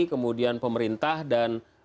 kemudian pemerintah dan